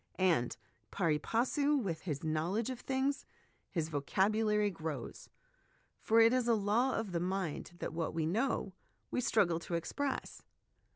And, pari passu with his knowledge of things, his vocab ulary grows ; for it is a law of the mind that what we know, we struggle to express.